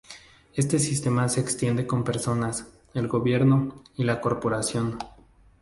Este sistema se extiende con personas, el gobierno, y la corporación.